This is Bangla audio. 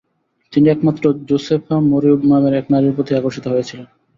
তিনি একমাত্র জোসেফা মরেউ নামের এক নারীর প্রতিই আকর্ষিত হয়েছিলেন।